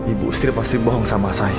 ibu istri pasti bohong sama saya